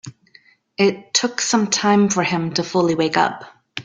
It took some time for him to fully wake up.